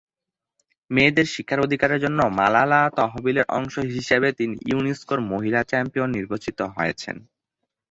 মেয়েদের শিক্ষার অধিকারের জন্য মালালা তহবিলের অংশ হিসাবে তিনি ইউনেস্কোর মহিলা চ্যাম্পিয়ন নির্বাচিত হয়েছেন।